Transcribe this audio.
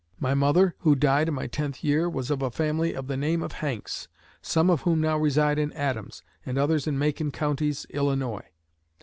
My mother, who died in my tenth year, was of a family of the name of Hanks, some of whom now reside in Adams, and others in Macon Counties, Illinois.